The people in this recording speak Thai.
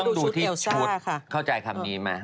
มันต้องดูที่ชุดเข้าใจคำนี้ไหม